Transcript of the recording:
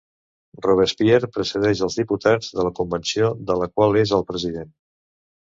Robespierre precedeix els diputats de la Convenció de la qual és el president.